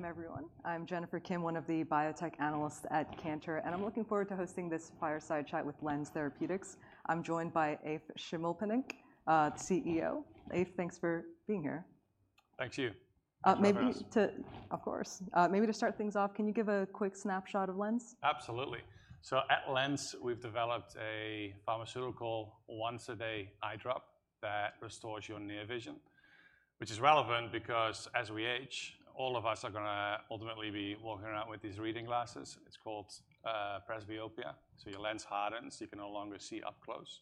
Welcome everyone. I'm Jennifer Kim, one of the biotech analysts at Cantor, and I'm looking forward to hosting this fireside chat with LENZ Therapeutics. I'm joined by Eef Schimmelpennink, CEO. Eef, thanks for being here. Thanks you. Maybe to- Thanks for having us. Of course. Maybe to start things off, can you give a quick snapshot of LENZ? Absolutely. So at LENZ, we've developed a pharmaceutical once-a-day eye drop that restores your near vision, which is relevant because as we age, all of us are gonna ultimately be walking around with these reading glasses. It's called presbyopia, so your lens hardens, you can no longer see up close.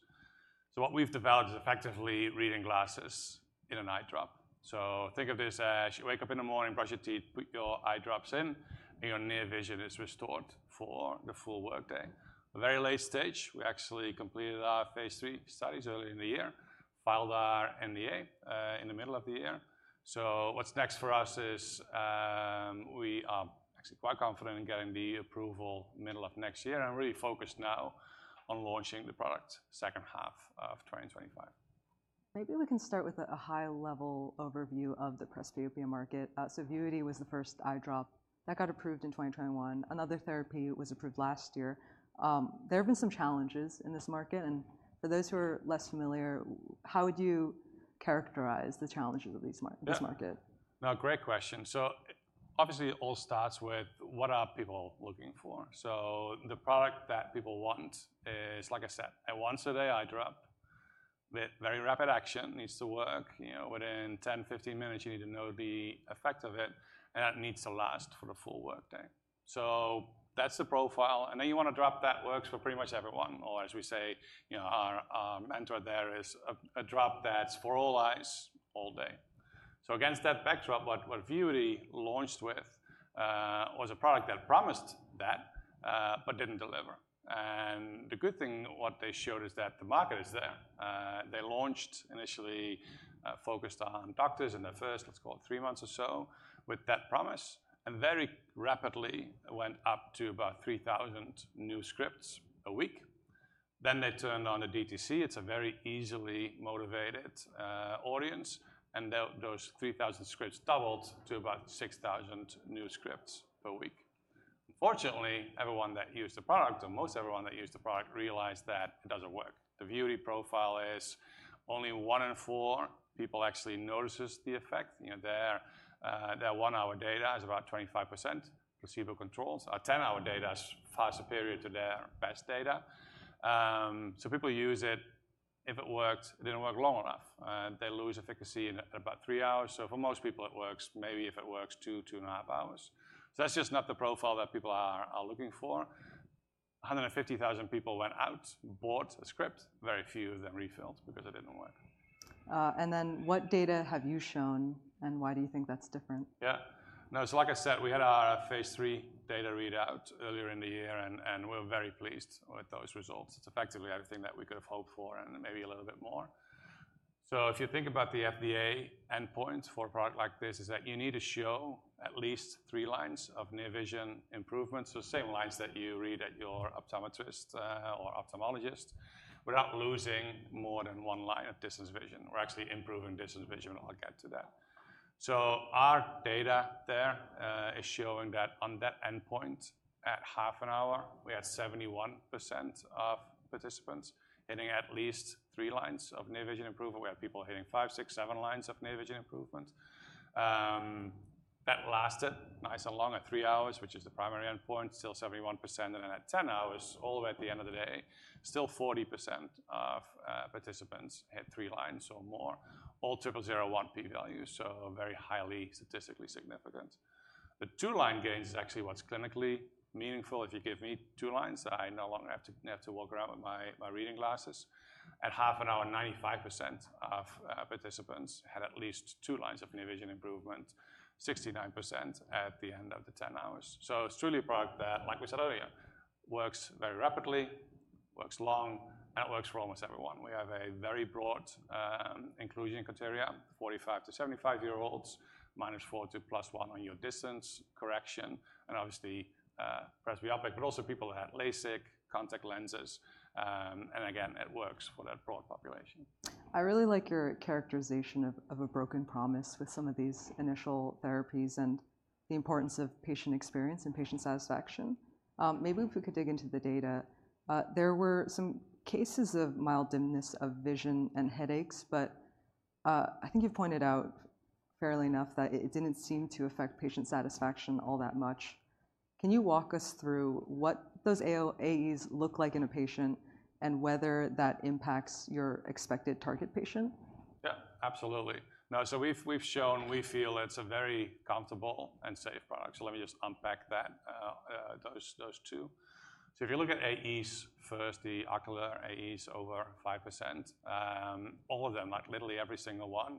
So what we've developed is effectively reading glasses in an eye drop. So think of this as you wake up in the morning, brush your teeth, put your eye drops in, and your near vision is restored for the full workday. A very late stage. We actually completed our phase III studies early in the year, filed our NDA in the middle of the year. So what's next for us is we are actually quite confident in getting the approval middle of next year, and really focused now on launching the product second half of 2025. Maybe we can start with a high level overview of the presbyopia market. So Vuity was the first eye drop that got approved in 2021. Another therapy was approved last year. There have been some challenges in this market, and for those who are less familiar, how would you characterize the challenges of this market? Yeah. No, great question. So obviously, it all starts with what are people looking for? So the product that people want is, like I said, a once-a-day eye drop with very rapid action. Needs to work, you know, within 10, 15 minutes, you need to know the effect of it, and that needs to last for the full workday. So that's the profile, and then you want a drop that works for pretty much everyone, or as we say, you know, our mantra there is a drop that's for all eyes, all day. So against that backdrop, what Vuity launched with was a product that promised that, but didn't deliver. And the good thing, what they showed, is that the market is there. They launched initially, focused on doctors in their first, let's call it three months or so, with that promise, and very rapidly went up to about 3,000 new scripts a week. Then they turned on the DTC. It's a very easily motivated audience, and those 3,000 scripts doubled to about 6,000 new scripts per week. Unfortunately, everyone that used the product, or most everyone that used the product, realized that it doesn't work. The Vuity profile is only one in four people actually notices the effect. You know, their one-hour data is about 25% placebo controls. Our 10-hour data is far superior to their best data, so people use it. If it worked, it didn't work long enough, and they lose efficacy in about three hours. So for most people, it works, maybe if it works two, two and a half hours. So that's just not the profile that people are looking for. 150,000 people went out, bought a script, very few of them refilled because it didn't work. And then what data have you shown, and why do you think that's different? Yeah. No, so like I said, we had our phase III data readout earlier in the year, and we're very pleased with those results. It's effectively everything that we could have hoped for and maybe a little bit more, so if you think about the FDA endpoint for a product like this, is that you need to show at least three lines of near vision improvement, so the same lines that you read at your optometrist or ophthalmologist, without losing more than one line of distance vision. We're actually improving distance vision, and I'll get to that, so our data there is showing that on that endpoint, at half an hour, we had 71% of participants hitting at least three lines of near vision improvement. We had people hitting five, six, seven lines of near vision improvement. That lasted nice and long at three hours, which is the primary endpoint, still 71%, and then at 10 hours, all the way at the end of the day, still 40% of participants hit three lines or more. All triple zero one p values, so very highly statistically significant. The two-line gains is actually what's clinically meaningful. If you give me two lines, I no longer have to walk around with my reading glasses. At half an hour, 95% of participants had at least two lines of near vision improvement, 69% at the end of the 10 hours. So it's truly a product that, like we said earlier, works very rapidly, works long, and it works for almost everyone. We have a very broad inclusion criteria, forty-five to seventy-five-year-olds, minus four to plus one on your distance correction, and obviously presbyopic, but also people that had LASIK, contact lenses, and again, it works for that broad population. I really like your characterization of a broken promise with some of these initial therapies and the importance of patient experience and patient satisfaction. Maybe if we could dig into the data. There were some cases of mild dimness of vision and headaches, but I think you pointed out fairly enough that it didn't seem to affect patient satisfaction all that much. Can you walk us through what those AEs look like in a patient and whether that impacts your expected target patient? Yeah, absolutely. Now, so we've shown we feel it's a very comfortable and safe product. So let me just unpack that, those two. So if you look at AEs first, the ocular AEs over 5%, all of them, like literally every single one,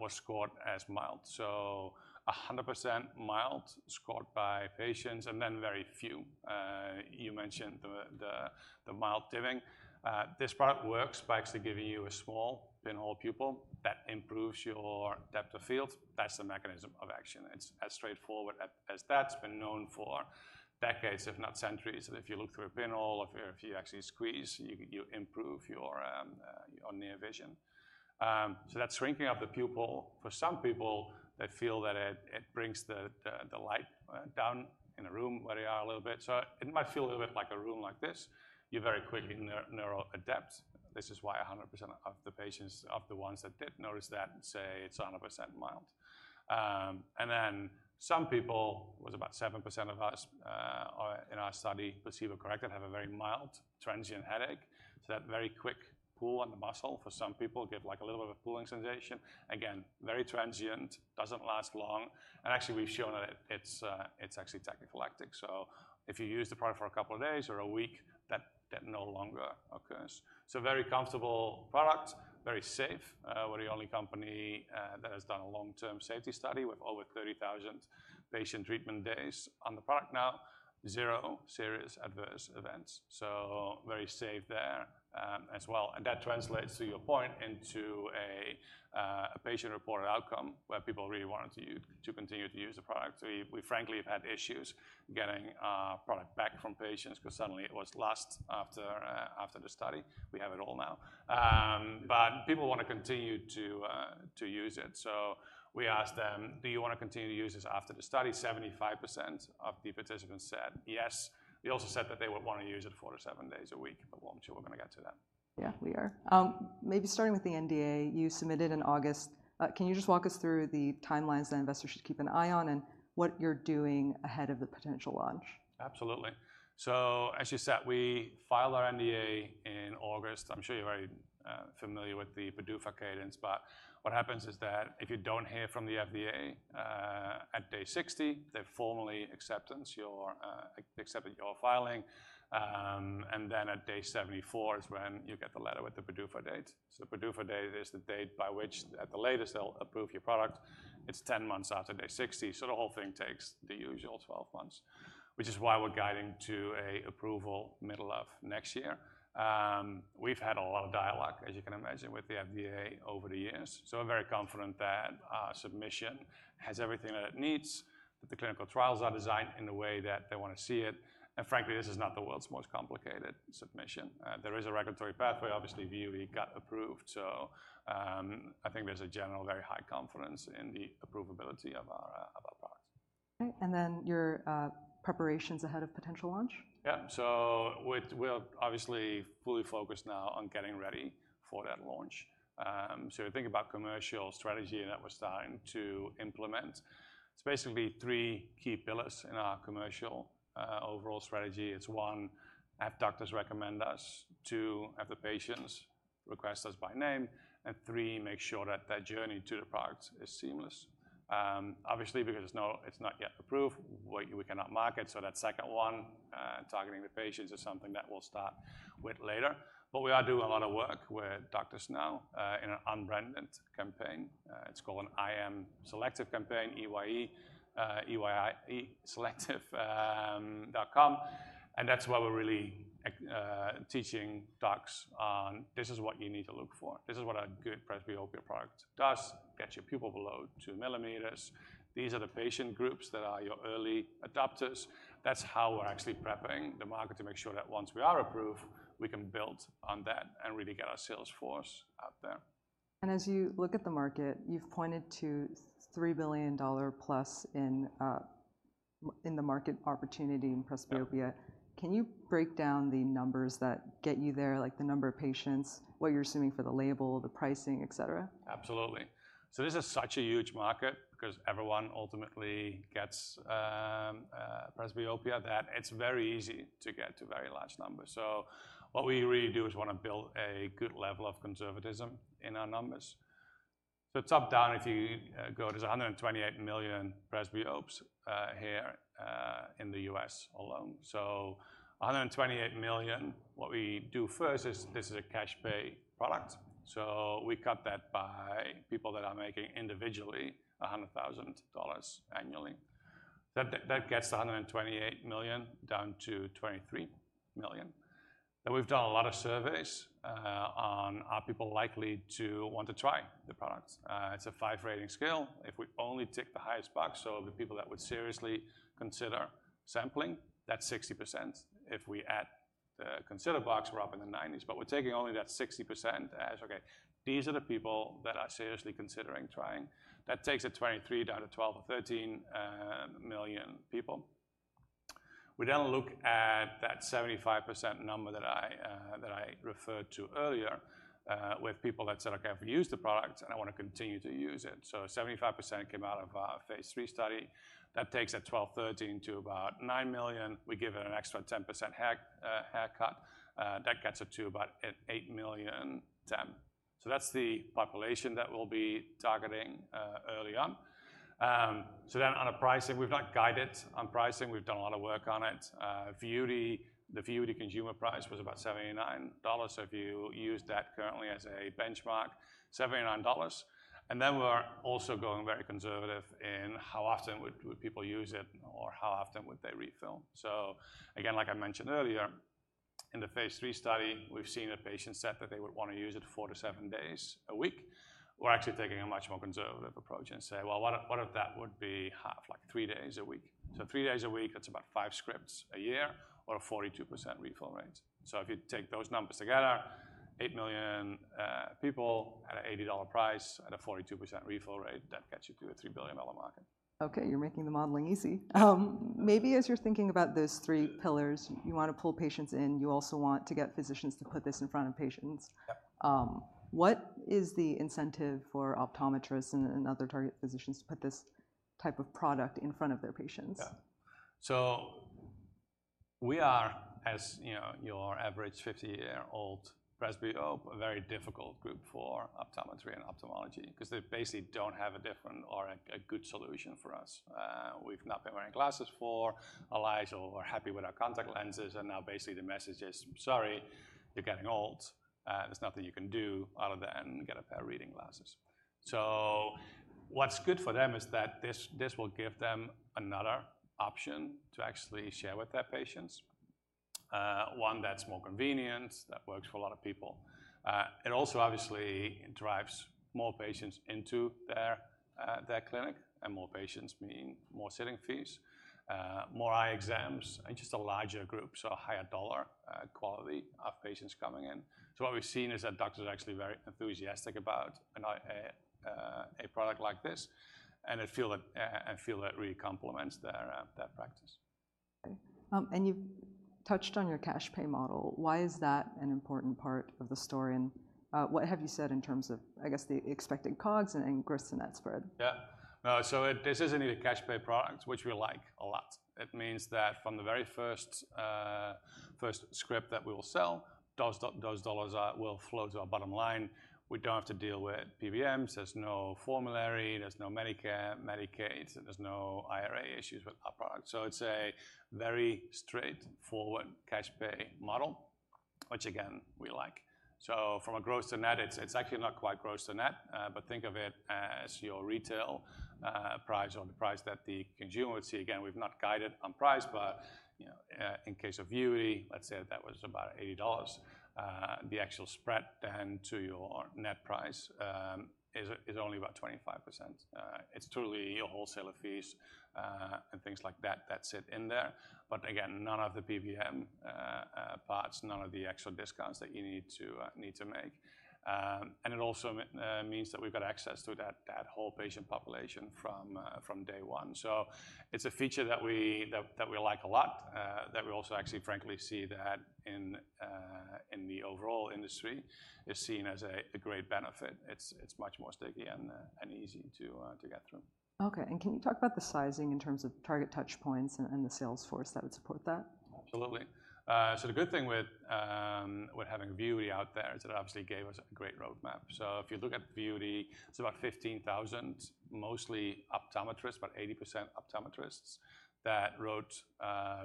was scored as mild. So 100% mild, scored by patients, and then very few, you mentioned the mild dimming. This product works by actually giving you a small pinhole pupil that improves your depth of field. That's the mechanism of action. It's as straightforward as that. It's been known for decades, if not centuries, that if you look through a pinhole or if you actually squeeze, you improve your near vision. So that's shrinking of the pupil. For some people, they feel that it brings the light down in a room where they are a little bit. So it might feel a little bit like a room like this. You very quickly neural adapt. This is why 100% of the patients, of the ones that did notice that, say it's 100% mild. And then some people, it was about 7% of us, or in our study, placebo-corrected, have a very mild transient headache. So that very quick pull on the muscle for some people give like a little bit of a pulling sensation. Again, very transient, doesn't last long, and actually we've shown that it's actually tachyphylactic. So if you use the product for a couple of days or a week, that no longer occurs. It's a very comfortable product, very safe. We're the only company that has done a long-term safety study with over 30,000 patient treatment days on the product now, zero serious adverse events, so very safe there, as well, and that translates to your point into a patient-reported outcome, where people really want to continue to use the product, so we frankly have had issues getting product back from patients 'cause suddenly it was lost after the study. We have it all now, but people want to continue to use it, so we asked them: "Do you want to continue to use this after the study?" 75% of the participants said yes. They also said that they would want to use it four to seven days a week, but I'm sure we're gonna get to that. Yeah, we are. Maybe starting with the NDA, you submitted in August. Can you just walk us through the timelines that investors should keep an eye on and what you're doing ahead of the potential launch? Absolutely. So as you said, we filed our NDA in August. I'm sure you're very familiar with the PDUFA cadence, but what happens is that if you don't hear from the FDA at day 60, they formally accept your filing. And then at day 74 is when you get the letter with the PDUFA date. So PDUFA date is the date by which, at the latest, they'll approve your product. It's 10 months after day 60, so the whole thing takes the usual 12 months, which is why we're guiding to an approval middle of next year. We've had a lot of dialogue, as you can imagine, with the FDA over the years, so we're very confident that submission has everything that it needs, that the clinical trials are designed in the way that they want to see it, and frankly, this is not the world's most complicated submission. There is a regulatory pathway. Obviously, Vuity got approved, so I think there's a general very high confidence in the approvability of our product. Okay, and then your preparations ahead of potential launch? Yeah. So we're obviously fully focused now on getting ready for that launch. So we think about commercial strategy, and it was time to implement. It's basically three key pillars in our commercial overall strategy. It's one, have doctors recommend us. Two, have the patients request us by name, and three, make sure that their journey to the product is seamless. Obviously, because it's not yet approved, we cannot market, so that second one, targeting the patients is something that we'll start with later. But we are doing a lot of work with doctors now in an unbranded campaign. It's called an I Am Selective campaign, eyeamselective.com. And that's where we're really teaching docs on this is what you need to look for. This is what a good presbyopia product does, get your pupil below two millimeters. These are the patient groups that are your early adopters. That's how we're actually prepping the market to make sure that once we are approved, we can build on that and really get our sales force out there. As you look at the market, you've pointed to $3 billion plus in the market opportunity in presbyopia. Yeah. Can you break down the numbers that get you there, like the number of patients, what you're assuming for the label, the pricing, etcetera? Absolutely. So this is such a huge market 'cause everyone ultimately gets presbyopia, that it's very easy to get to very large numbers. So what we really do is wanna build a good level of conservatism in our numbers. So top-down, if you go, there's 128 million presbyopes here in the US alone. So 128 million, what we do first is this is a cash pay product, so we cut that by people that are making individually $100,000 annually. That gets the 128 million down to 23 million. And we've done a lot of surveys on are people likely to want to try the products? It's a five-rating scale. If we only tick the highest box, so the people that would seriously consider sampling, that's 60%. If we add the consider box, we're up in the 90s, but we're taking only that 60% as, okay, these are the people that are seriously considering trying. That takes it 23 down to 12 or 13 million people. We then look at that 75% number that I referred to earlier with people that said, "Okay, I've used the product, and I want to continue to use it." So 75% came out of our phase III study. That takes it 12, 13 to about 9 million. We give it an extra 10% haircut. That gets it to about 8 to 10 million. So that's the population that we'll be targeting early on. So then on a pricing, we've not guided on pricing. We've done a lot of work on it. Vuity, the Vuity consumer price was about $79. So if you use that currently as a benchmark, $79. And then we're also going very conservative in how often would people use it or how often would they refill? So again, like I mentioned earlier, in the phase III study, we've seen a patient set that they would want to use it four to seven days a week. We're actually taking a much more conservative approach and say, well, what if that would be half, like three days a week? So three days a week, that's about five scripts a year or a 42% refill rate. So if you take those numbers together, eight million people at an $80 price at a 42% refill rate, that gets you to a $3 billion market. Okay, you're making the modeling easy. Maybe as you're thinking about those three pillars, you want to pull patients in, you also want to get physicians to put this in front of patients. Yeah. What is the incentive for optometrists and other target physicians to put this type of product in front of their patients? Yeah. We are, as you know, your average fifty-year-old presbyope, a very difficult group for optometry and ophthalmology, 'cause they basically don't have a different or a good solution for us. We've not been wearing glasses for our lives or we're happy with our contact lenses, and now basically the message is, "Sorry, you're getting old. There's nothing you can do other than get a pair of reading glasses." What's good for them is that this will give them another option to actually share with their patients. One that's more convenient, that works for a lot of people. It also obviously drives more patients into their clinic, and more patients mean more selling fees, more eye exams, and just a larger group, so a higher dollar quality of patients coming in. So what we've seen is that doctors are actually very enthusiastic about a product like this, and it really complements their practice. Okay. And you've touched on your cash pay model. Why is that an important part of the story? And what have you said in terms of, I guess, the expected COGS and gross net spread? Yeah. So it, this is a new cash pay product, which we like a lot. It means that from the very first, first script that we will sell, those dollars are, will flow to our bottom line. We don't have to deal with PBMs, there's no formulary, there's no Medicare, Medicaid, there's no IRA issues with our product. So it's a very straightforward cash pay model, which again, we like. So from a gross to net, it's actually not quite gross to net, but think of it as your retail price or the price that the consumer would see. Again, we've not guided on price, but, you know, in case of Vuity, let's say that was about $80, the actual spread then to your net price is only about 25%. It's totally your wholesaler fees and things like that that sit in there, but again, none of the PBM parts, none of the actual discounts that you need to make, and it also means that we've got access to that whole patient population from day one, so it's a feature that we like a lot, that we also actually, frankly, see that in the overall industry is seen as a great benefit. It's much more sticky and easy to get through. Okay. And can you talk about the sizing in terms of target touchpoints and the sales force that would support that? Absolutely. So the good thing with having Vuity out there is it obviously gave us a great roadmap. So if you look at Vuity, it's about 15,000, mostly optometrists, about 80% optometrists, that wrote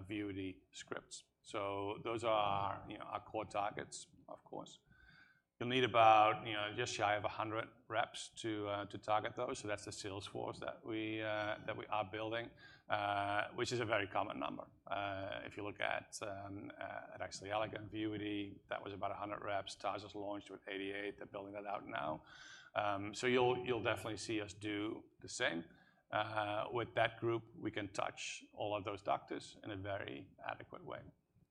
Vuity scripts. So those are, you know, our core targets, of course. You'll need about, you know, just shy of 100 reps to target those. So that's the sales force that we are building, which is a very common number. If you look at actually Allergan Vuity, that was about 100 reps. Tarsus launched with 88. They're building that out now. So you'll definitely see us do the same. With that group, we can touch all of those doctors in a very adequate way.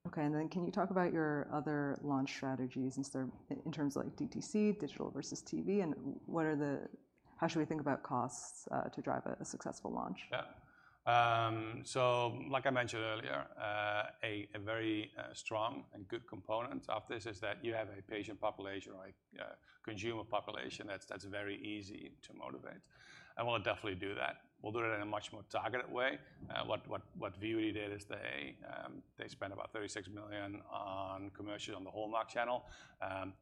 Okay, and then can you talk about your other launch strategies in terms of like DTC, digital versus TV, and what are the... How should we think about costs to drive a successful launch? Yeah. So like I mentioned earlier, a very strong and good component of this is that you have a patient population or a consumer population that's very easy to motivate, and we'll definitely do that. We'll do it in a much more targeted way. What Vuity did is they spent about $36 million on commercial on the Hallmark Channel.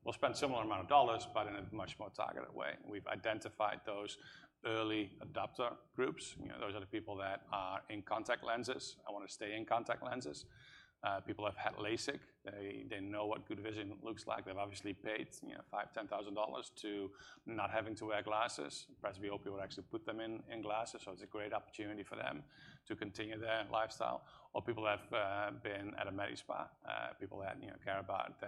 We'll spend similar amount of dollars, but in a much more targeted way. We've identified those early adopter groups, you know, those are the people that are in contact lenses and wanna stay in contact lenses. People who have had LASIK, they know what good vision looks like. They've obviously paid, you know, five-10 thousand dollars to not having to wear glasses. Presbyope people actually put them in glasses, so it's a great opportunity for them to continue their lifestyle or people who have been at a med spa, people that, you know, care about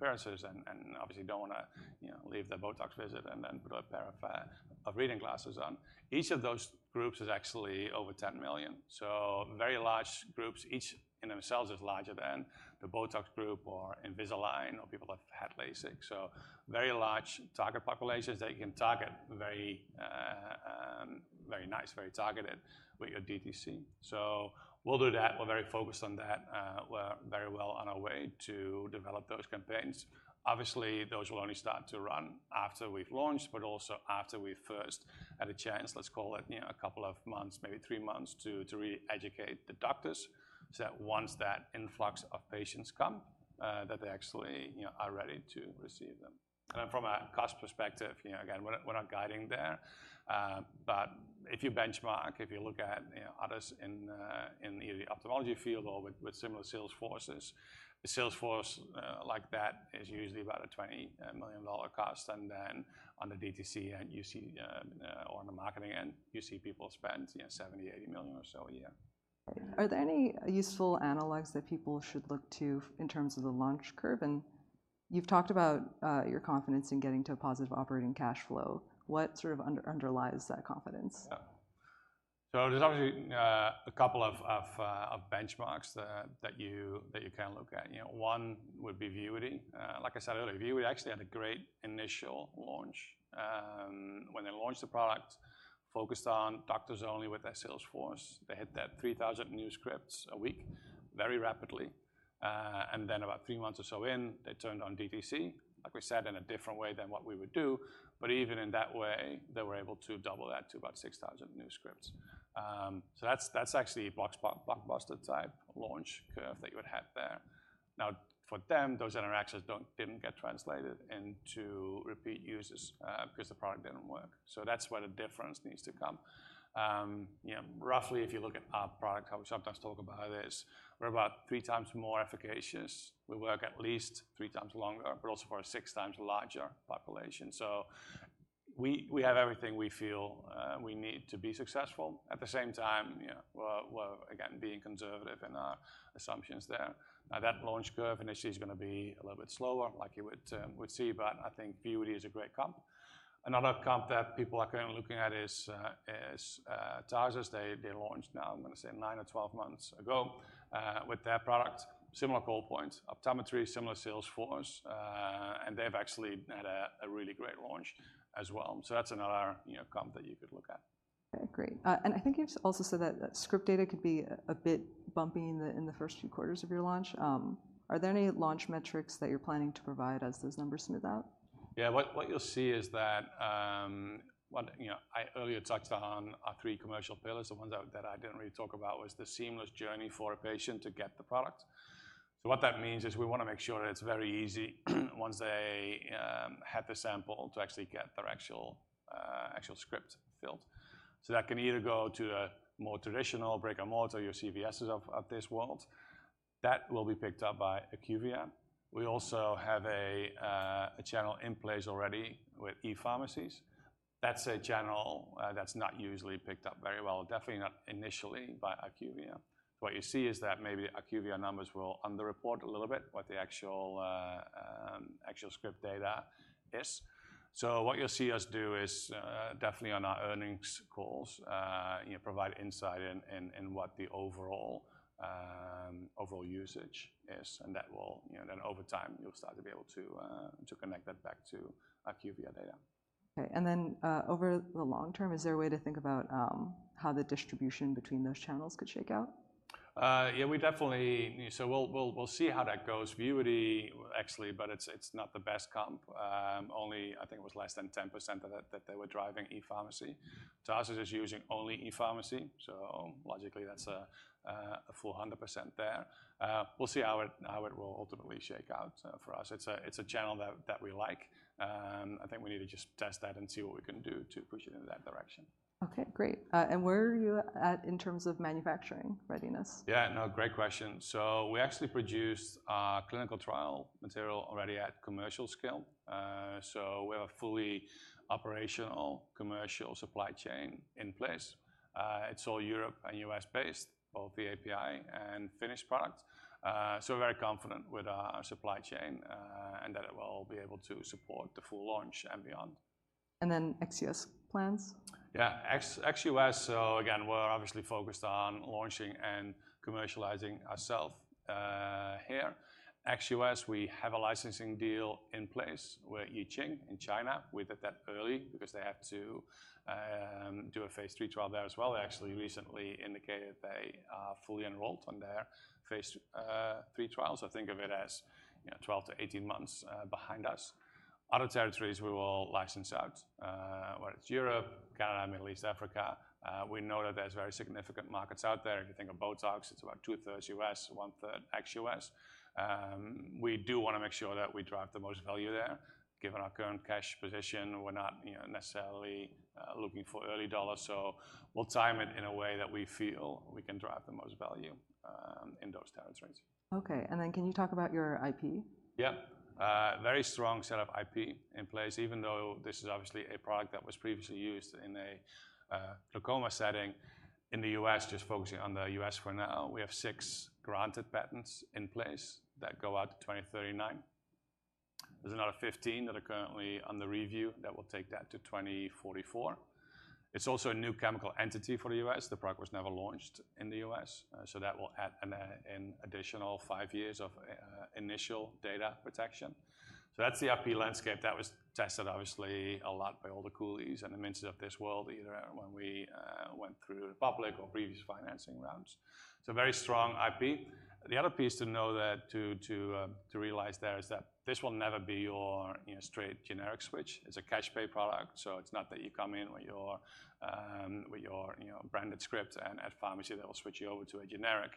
their appearances and obviously don't wanna, you know, leave their Botox visit and then put a pair of reading glasses on. Each of those groups is actually over 10 million, so very large groups, each in themselves, is larger than the Botox group or Invisalign, or people that have had LASIK, so very large target populations that you can target very, very nice, very targeted with your DTC, so we'll do that. We're very focused on that. We're very well on our way to develop those campaigns. Obviously, those will only start to run after we've launched, but also after we first had a chance, let's call it, you know, a couple of months, maybe three months, to re-educate the doctors. So that once that influx of patients come, that they actually, you know, are ready to receive them. And from a cost perspective, you know, again, we're not, we're not guiding there. But if you benchmark, if you look at, you know, others in the ophthalmology field or with similar sales forces, the sales force like that is usually about a $20 million cost. And then on the DTC end, you see on the marketing end, you see people spend, you know, $70-$80 million or so a year. Are there any useful analogs that people should look to in terms of the launch curve? And you've talked about your confidence in getting to a positive operating cash flow. What sort of underlies that confidence? Yeah. So there's obviously a couple of benchmarks that you can look at. You know, one would be Vuity. Like I said earlier, Vuity actually had a great initial launch. When they launched the product, focused on doctors only with their sales force. They hit that 3,000 new scripts a week very rapidly, and then about three months or so in, they turned on DTC, like we said, in a different way than what we would do. But even in that way, they were able to double that to about 6,000 new scripts. So that's actually blockbuster-type launch curve that you would have there. Now, for them, those interactions didn't get translated into repeat users, 'cause the product didn't work. So that's where the difference needs to come. You know, roughly, if you look at our product, how we sometimes talk about how it is, we're about three times more efficacious. We work at least three times longer, but also for a six times larger population. So we have everything we feel we need to be successful. At the same time, you know, we're again being conservative in our assumptions there. Now, that launch curve initially is gonna be a little bit slower, like you would see, but I think Vuity is a great comp. Another comp that people are currently looking at is Tarsus. They launched now, I'm gonna say nine or twelve months ago with their product. Similar goal points, optometry, similar sales force, and they've actually had a really great launch as well. That's another, you know, comp that you could look at. Okay, great. And I think you've also said that script data could be a bit bumpy in the first few quarters of your launch. Are there any launch metrics that you're planning to provide as those numbers smooth out? Yeah. What you'll see is that. You know, I earlier touched on our three commercial pillars. The ones that I didn't really talk about was the seamless journey for a patient to get the product. So what that means is we wanna make sure it's very easy, once they have the sample to actually get their actual script filled. So that can either go to a more traditional brick-and-mortar, your CVSs of this world. That will be picked up by IQVIA. We also have a channel in place already with e-pharmacies. That's a channel that's not usually picked up very well, definitely not initially by IQVIA. What you see is that maybe IQVIA numbers will underreport a little bit what the actual script data is. What you'll see us do is definitely on our earnings calls, you know, provide insight in what the overall usage is, and that will, you know, then over time, you'll start to be able to to connect that back to IQVIA data. Okay. And then, over the long term, is there a way to think about how the distribution between those channels could shake out? Yeah, we definitely. So we'll see how that goes. Vuity, actually, but it's not the best comp. Only, I think it was less than 10% that they were driving e-pharmacy. Tarsus is using only e-pharmacy, so logically, that's a full 100% there. We'll see how it will ultimately shake out, for us. It's a channel that we like, and I think we need to just test that and see what we can do to push it in that direction. Okay, great, and where are you at in terms of manufacturing readiness? Yeah, no, great question, so we actually produced a clinical trial material already at commercial scale, so we have a fully operational commercial supply chain in place. It's all Europe and US-based, both the API and finished product, so we're very confident with our supply chain, and that it will be able to support the full launch and beyond. And then ex-U.S. plans? Yeah. Ex-U.S., so again, we're obviously focused on launching and commercializing ourselves here. Ex-U.S., we have a licensing deal in place with Ji Xing in China. We did that early because they have to do a phase III trial there as well. They actually recently indicated they are fully enrolled on their phase III trial, so think of it as, you know, twelve to eighteen months behind us. Other territories, we will license out, whether it's Europe, Canada, Middle East, Africa. We know that there's very significant markets out there. If you think of Botox, it's about two-thirds U.S., one-third ex-U.S. We do wanna make sure that we drive the most value there. Given our current cash position, we're not, you know, necessarily looking for early dollars, so we'll time it in a way that we feel we can drive the most value in those territories. Okay, and then can you talk about your IP? Yeah. Very strong set of IP in place, even though this is obviously a product that was previously used in a glaucoma setting in the U.S., just focusing on the U.S. for now. We have six granted patents in place that go out to twenty thirty-nine. There's another 15 that are currently under review that will take that to twenty forty-four. It's also a new chemical entity for the U.S. The product was never launched in the U.S., so that will add an additional five years of initial data protection. So that's the IP landscape. That was tested obviously a lot by all the Cooley's and the Mintz's of this world, either when we went through the public or previous financing rounds. So very strong IP. The other piece to know that to realize there is that this will never be your, you know, straight generic switch. It's a cash pay product, so it's not that you come in with your, you know, branded script and at pharmacy they will switch you over to a generic.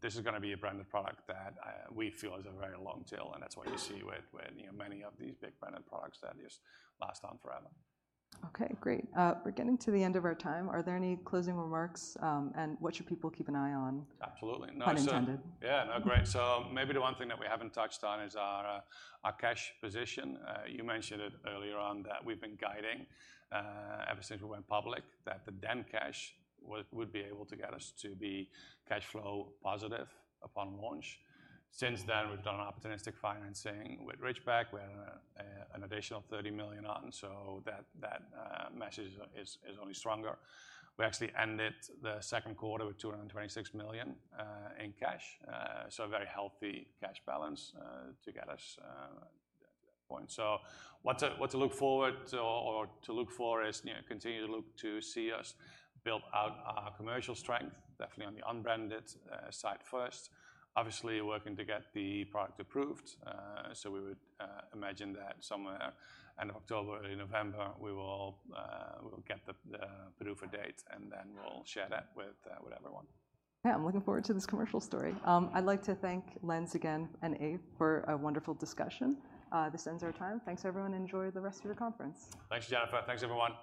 This is gonna be a branded product that we feel is a very long tail, and that's what you see with, you know, many of these big branded products that just last on forever. Okay, great. We're getting to the end of our time. Are there any closing remarks? And what should people keep an eye on? Absolutely. No, Pun intended. Yeah, no, great. So maybe the one thing that we haven't touched on is our cash position. You mentioned it earlier on, that we've been guiding ever since we went public, that the then cash would be able to get us to be cash flow positive upon launch. Since then, we've done an opportunistic financing with Ridgeback. We have an additional $30 million, so that message is only stronger. We actually ended the second quarter with $226 million in cash. So a very healthy cash balance to get us to that point. So what to look forward or to look for is, you know, continue to look to see us build out our commercial strength, definitely on the unbranded side first. Obviously, working to get the product approved, so we would imagine that somewhere end of October or November, we'll get the approval date, and then we'll share that with everyone. Yeah, I'm looking forward to this commercial story. I'd like to thank Lens again and Eef for a wonderful discussion. This ends our time. Thanks, everyone, and enjoy the rest of your conference. Thanks, Jennifer. Thanks, everyone.